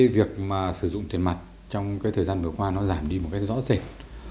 việc sử dụng tiền mặt trong thời gian vừa qua giảm đi một cách rõ ràng